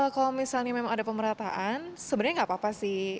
kalau misalnya memang ada pemerataan sebenarnya nggak apa apa sih